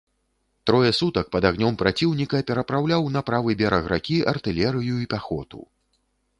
Трое сутак пад агнём праціўніка перапраўляў на правы бераг ракі артылерыю і пяхоту.